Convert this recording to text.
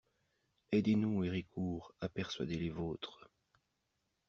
Aidez-nous, Héricourt, à persuader les vôtres!